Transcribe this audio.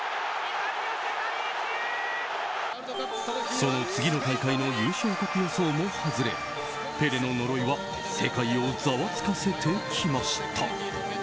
その次の大会の優勝国予想も外れペレの呪いは世界をざわつかせてきました。